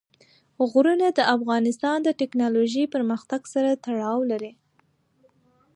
غرونه د افغانستان د تکنالوژۍ پرمختګ سره تړاو لري.